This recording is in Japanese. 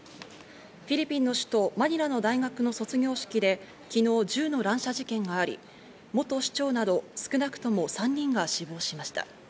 フィリピンの首都マニラの大学の卒業式で昨日、銃の乱射事件があり、元市長など少なくとも３人が死亡しました。